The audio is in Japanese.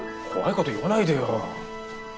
怖いこと言わないでよ。